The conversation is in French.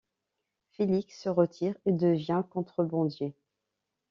Félix se retire et devient contrebandier.